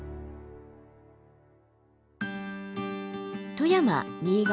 富山新潟